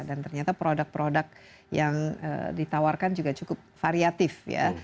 dan ternyata produk produk yang ditawarkan juga cukup variatif ya